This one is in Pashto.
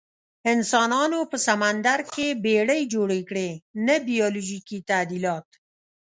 انسانانو په سمندر کې بیړۍ جوړې کړې، نه بیولوژیکي تعدیلات.